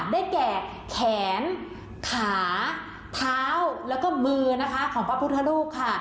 ได้แก่แขนขาเท้าแล้วก็มือนะคะของพระพุทธรูปค่ะ